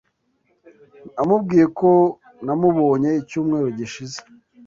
Namubwiye ko namubonye icyumweru gishize.